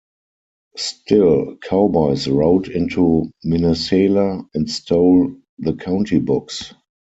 Still, cowboys rode into Minnesela and stole the county books.